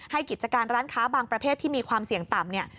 กิจการร้านค้าบางประเภทที่มีความเสี่ยงต่ำเนี่ย